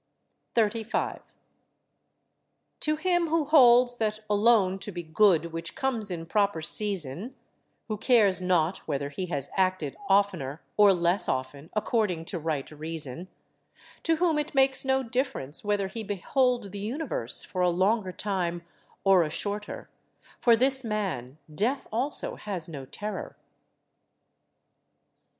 35. To him who holds that alone to be good which comes in proper season, who cares not whether he has acted oftener or less often according to right reason; to whom it makes no difference whether he behold the universe for a longer time or a shorter for this man death also has no terror.